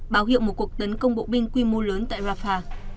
báo hiệu một cuộc tấn công bộ binh quy mô lớn tại rafah